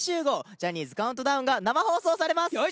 「ジャニーズカウントダウン」が生放送されます！